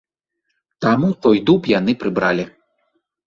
Таму той дуб яны прыбралі.